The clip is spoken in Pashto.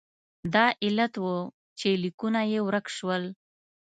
دا علت و چې لیکونه یې ورک شول.